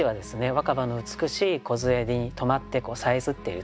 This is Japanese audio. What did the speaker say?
若葉の美しいこずえに止まってさえずっていると。